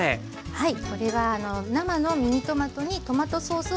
はい。